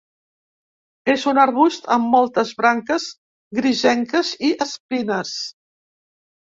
És un arbust amb moltes branques grisenques i espines.